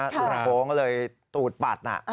ตุ๊กโบ้งก็เลยตูดปัดน่ะ